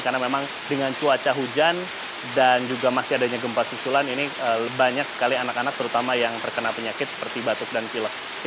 karena memang dengan cuaca hujan dan juga masih adanya gempa susulan ini banyak sekali anak anak terutama yang terkena penyakit seperti batuk dan pilek